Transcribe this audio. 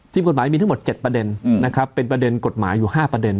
กฎหมายมีทั้งหมด๗ประเด็นนะครับเป็นประเด็นกฎหมายอยู่๕ประเด็น